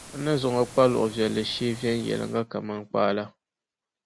N ni zaŋ o kpa luɣ’ viɛlli shee viɛnyɛliŋga kaman kpaa la.